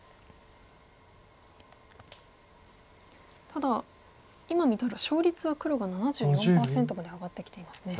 ただ今見たら勝率は黒が７４％まで上がってきていますね。